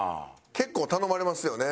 結構頼まれますよね。